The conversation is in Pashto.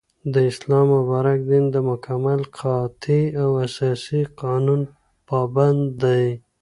داسلام مبارك دين دمكمل ، قاطع او اساسي قانون پابند دى